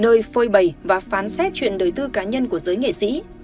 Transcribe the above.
nơi phơi bầy và phán xét chuyện đời tư cá nhân của giới nghệ sĩ